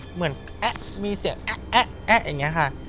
เหมือนเอ๊ะมีเสียงแอ๊ะอย่างนี้ค่ะ